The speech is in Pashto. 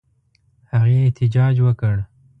هغې احتجاج وکړ.